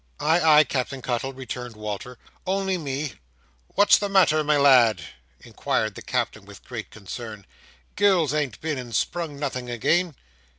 "Ay, ay, Captain Cuttle," returned Walter, "only me" "What's the matter, my lad?" inquired the Captain, with great concern. "Gills an't been and sprung nothing again?"